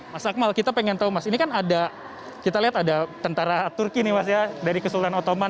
ya selamat sore mas akmal kita pengen tahu mas ini kan ada kita lihat ada tentara turki ini mas ya dari kesultanan ottoman